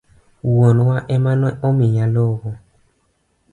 Wuonwa ema ne omiya lowo.